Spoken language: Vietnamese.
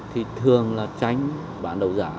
thì thường là tránh bán đầu giá